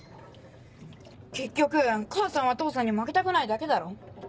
結局母さんは父さんに負けたくないだけだろ？